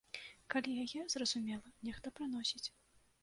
Калі яе, зразумела, нехта прыносіць.